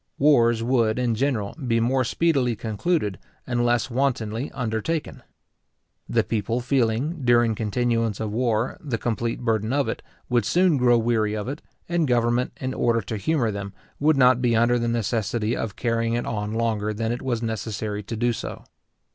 Wars would, in general, be more speedily concluded, and less wantonly undertaken. The people feeling, during continuance of war, the complete burden of it, would soon grow weary of it; and government, in order to humour them, would not be under the necessity of carrying it on longer than it was necessary to do so.